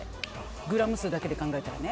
グラム数だけで考えたらね。